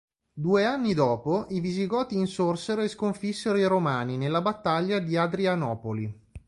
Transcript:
Due anni dopo i Visigoti insorsero e sconfissero i Romani nella Battaglia di Adrianopoli.